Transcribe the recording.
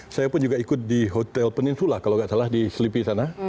saya pun juga ikut di hotel peninfula kalau tidak salah di selipi sana